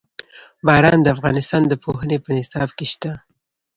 باران د افغانستان د پوهنې په نصاب کې شته.